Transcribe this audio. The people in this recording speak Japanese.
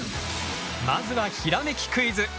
まずはひらめきクイズ！